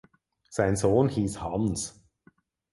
Sein Sohn hieß Hans.